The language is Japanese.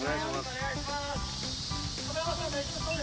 お願いします。